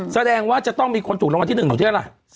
แสดงว่าจะต้องมีคนถูกรางวัลที่๑ของที่อะไร